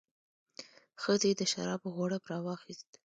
ښځې د شرابو غوړپ راواخیست.